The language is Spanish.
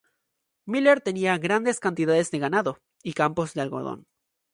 Miller tenía grandes cantidades de ganado, y campos de algodón.